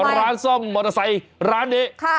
ร้านซ่อมมอเตอร์ไซค์ร้านนี้